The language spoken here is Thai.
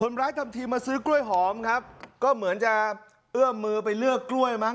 ทำทีมาซื้อกล้วยหอมครับก็เหมือนจะเอื้อมมือไปเลือกกล้วยมั้